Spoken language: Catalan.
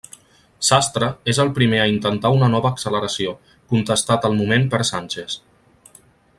Sastre és el primer a intentar una nova acceleració, contestat al moment per Sánchez.